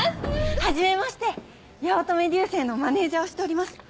はじめまして八乙女流星のマネジャーをしております。